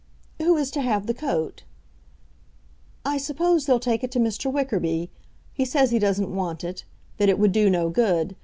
"Who is to have the coat?" "I suppose they'll take it to Mr. Wickerby. He says he doesn't want it, that it would do no good.